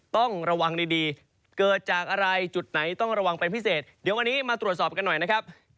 ต้องระวังดีเกิดจากอะไรจุดไหนต้องระวังเป็นพิเศษเดี๋ยววันนี้มาตรวจสอบกันหน่อยนะครับ